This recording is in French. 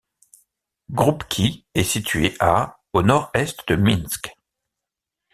Kroupki est située à au nord-est de Minsk.